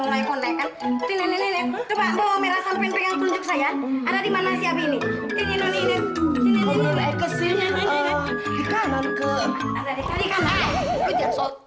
mulai kontekan ini coba bawa merah sampai yang tunjuk saya ada di mana siap ini ini